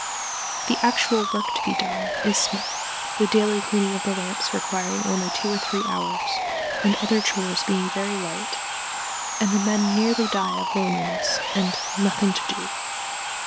The actual work to be done is small, the daily cleaning of the lamps requiring only two or three hours, and other chores being very light, and the men nearly die of loneliness and "nothing to do."